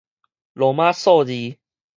羅馬數字